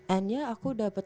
and yeah aku dapet